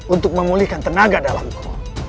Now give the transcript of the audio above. untuk memulihkan tenaga dalam kol